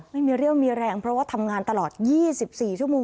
ไม่มีเรี่ยวมีแรงเพราะว่าทำงานตลอด๒๔ชั่วโมง